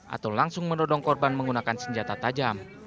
atau langsung menodong korban menggunakan senjata tajam